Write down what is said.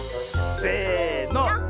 せの。